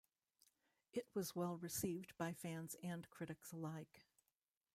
It was well received by fans and critics alike.